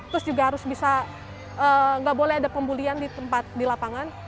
terus juga harus bisa nggak boleh ada pembulian di tempat di lapangan